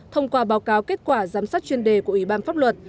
thông qua báo cáo kết quả giám sát chuyên đề của ủy ban pháp luật